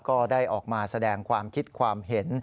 ก็ได้ออกมาแสดงความคิดความเห็น